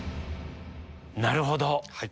なるほど！